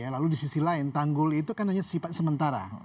lalu di sisi lain tanggul itu kan hanya sifat sementara